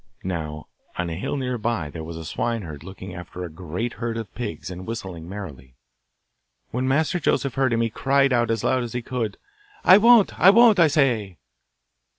Now, on a hill near by there was a swineherd looking after a great herd of pigs and whistling merrily. When Master Joseph heard him he cried out as loud as he could, 'I won't; I won't, I say.